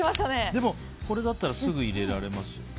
でもこれだったらすぐに入れられますよ。